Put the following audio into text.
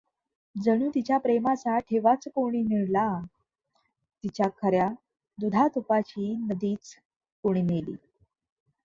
जणू तिच्या प्रेमाचा ठेवाच कोणी नेला; तिच्या खऱ्या दुधातुपाची नदीच कोणी नेली.